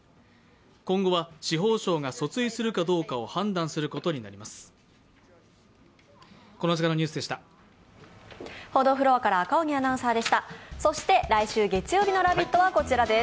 今後は司法省が訴追するかどうかを判断することになります。